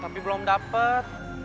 tapi belum dapat